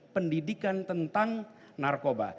pendidikan tentang narkoba